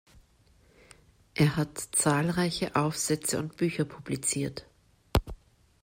Er hat zahlreiche Aufsätze und Bücher publiziert.